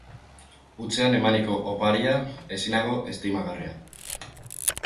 Hutsean emaniko oparia, ezinago estimagarria.